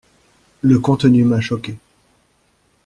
Le contenu m'a choqué.